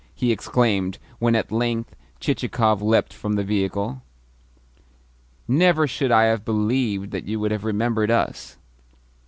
he exclaimed when at length Chichikov leapt from the vehicle. "Never should I have believed that you would have remembered us!"